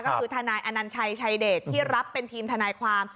ก็คือทนายอนัญชัยชายเดชที่รับเป็นทีมทนายความ